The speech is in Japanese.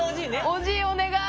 おじいお願い。